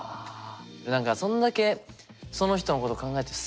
何かそんだけその人のこと考えるとうん。